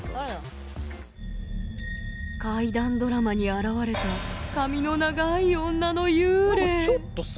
怪談ドラマに現れた髪の長い女の幽霊何かちょっとさ